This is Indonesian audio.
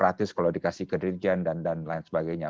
jadi itu lebih berbirokratis kalau diberikan ke dirjen dan lain sebagainya